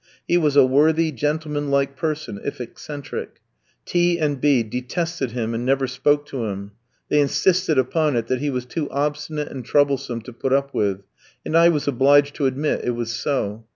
He was a worthy, gentlemanlike person, if eccentric. T ski and B ski detested him, and never spoke to him; they insisted upon it that he was too obstinate and troublesome to put up with, and I was obliged to admit it was so.